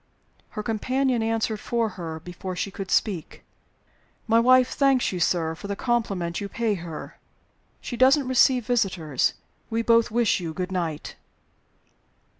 Her companion answered for her before she could speak. "My wife thanks you, sir, for the compliment you pay her. She doesn't receive visitors. We both wish you good night."